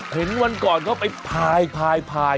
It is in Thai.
เห็นวันก่อนเขาไปพาย